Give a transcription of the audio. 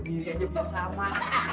diri aja biar sama